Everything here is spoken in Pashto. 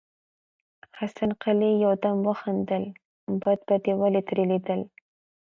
حسن قلي يودم وخندل: بد به دې ولې ترې ليدل.